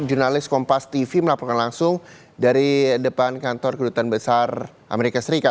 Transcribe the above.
jurnalis kompas tv melaporkan langsung dari depan kantor kedutaan besar amerika serikat